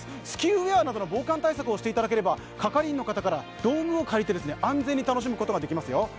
スキーウエアなどの防寒対策をしていただければ係員の方から道具を借りて安全に楽しむことができますよ。